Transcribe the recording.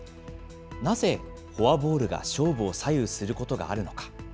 なぜフォアボールが勝負を左右することがあるのか。